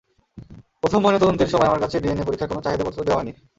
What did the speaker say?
প্রথম ময়নাতদন্তের সময় আমার কাছে ডিএনএ পরীক্ষার কোনো চাহিদাপত্র দেওয়া হয়নি।